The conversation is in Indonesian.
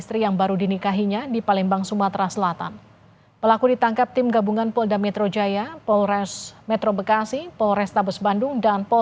korban diketahui sebagai kasir sementara pelaku merupakan auditor di perusahaan yang sama